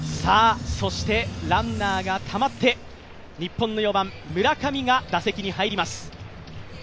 そしてランナーがたまって日本の４番・村上が打席に入ります。